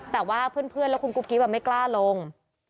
แต่ว่าเพื่อนแล้วคุณกุ๊กกิ๊บไม่กล้าลง